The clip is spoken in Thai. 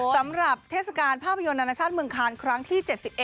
สำหรับเทศกาลภาพยนตร์นานาชาติเมืองคานครั้งที่๗๑